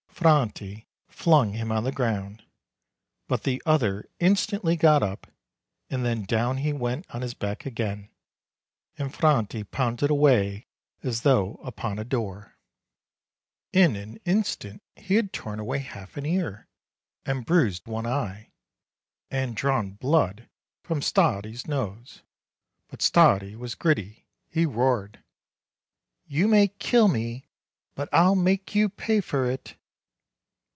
Franti flung him on the ground ; but the other instantly got up, and then down he went on his back again, and Franti pounded away as though upon a door. In an instant he had torn away half an ear, and bruised one eye, and drawn blood from Stardi's nose. But Stardi was gritty; he roared: "You may kill me, but I'll make you pay for it!"